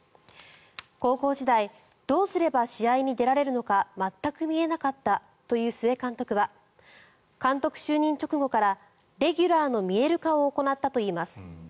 高校時代どうすれば試合に出られるのか全く見えなかったという須江監督は監督就任直後からレギュラーの見える化を行ったといいます。